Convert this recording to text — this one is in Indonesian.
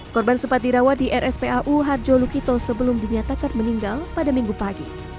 korban sempat dirawat di rspau harjo lukito sebelum dinyatakan meninggal pada minggu pagi